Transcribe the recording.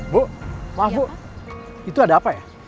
bu maaf bu itu ada apa ya